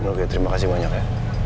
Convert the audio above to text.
oke terima kasih banyak ya